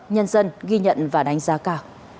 nhân dân ghi nhận và đánh giá cả